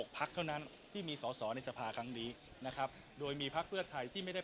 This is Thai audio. พักเท่านั้นที่มีสอสอในสภาครั้งนี้นะครับโดยมีพักเพื่อไทยที่ไม่ได้